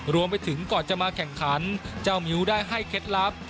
รวมไปถึงก่อนจะมาแข่งขันเจ้ามิ้วได้ให้เคล็ดลับ